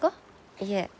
いえ。